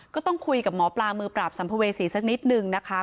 ก็ต้องคุยกับหมอปลามือปราบสัมภเวษีสักนิดนึงนะคะ